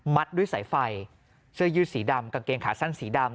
ด้วยสายไฟเสื้อยืดสีดำกางเกงขาสั้นสีดำ